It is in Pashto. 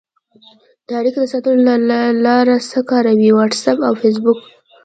د اړیکې د ساتلو لاره څه کاروئ؟ واټساپ او فیسبوک